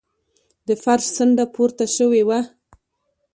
د فرش څنډه پورته شوې وه.